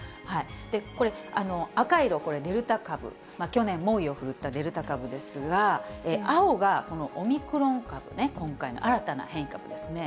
これ、赤色、これ、デルタ株、去年、猛威を振るったデルタ株ですが、青がこのオミクロン株、今回の新たな変異株ですね。